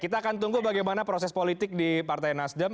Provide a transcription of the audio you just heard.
kita akan tunggu bagaimana proses politik di partai nasdem